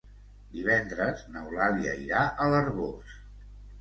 Divendres n'Eulàlia irà a l'Arboç.